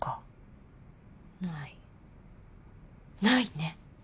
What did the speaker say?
ないね！